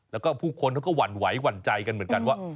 แล้วก็ผู้คนเขาก็หวั่นไหวหวั่นใจกันเหมือนกันว่า